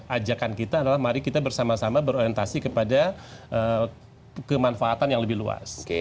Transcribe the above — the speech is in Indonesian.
ajakan kita adalah mari kita bersama sama berorientasi kepada kemanfaatan yang lebih luas